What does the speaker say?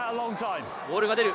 ボールが出る。